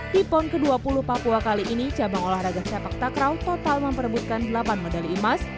di pon ke dua puluh papua kali ini cabang olahraga sepak takraw total memperebutkan delapan medali emas